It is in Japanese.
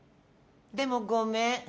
でもごめん。